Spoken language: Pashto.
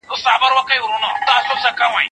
د تبه پر مهال ماشوم ته ارام ورکړئ.